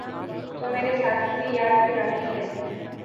تو مرے ساتھیوں کی یاد پھرآتی ہے۔